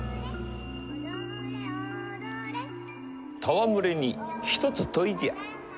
戯れに一つ問いじゃ。